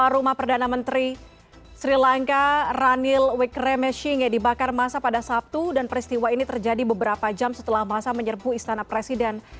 rumah perdana menteri sri lanka ranil wikremeshinge dibakar masa pada sabtu dan peristiwa ini terjadi beberapa jam setelah masa menyerbu istana presiden